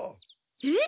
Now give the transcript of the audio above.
えっ？